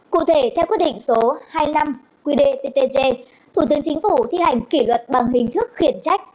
cụ thể theo quyết định số hai mươi năm qdttg thủ tướng chính phủ thi hành kỷ luật bằng hình thức khiển trách